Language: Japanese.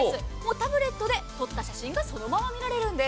タブレットで撮った写真がそのまま見られるんです。